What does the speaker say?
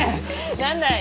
何だい？